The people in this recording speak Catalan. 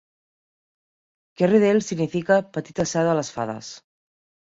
Kerrydale significa "petita seu de les fades".